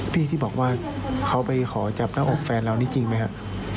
พี่ที่บอกว่าเขาไปขอจับหน้าอกแฟนเรานี่จริงไหมครับ